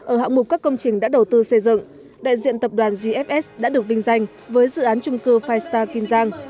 ở hạng mục các công trình đã đầu tư xây dựng đại diện tập đoàn gfs đã được vinh danh với dự án trung cư filestar kim giang